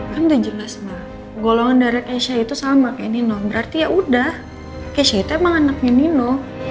kan udah jelas ma golongan darah kece itu sama kayak nino berarti ya udah kece itu emang anaknya nino